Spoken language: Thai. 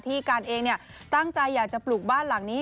การเองตั้งใจอยากจะปลูกบ้านหลังนี้